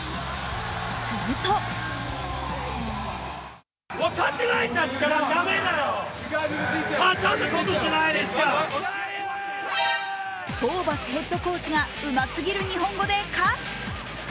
するとホーバスヘッドコーチがうますぎる日本語で喝！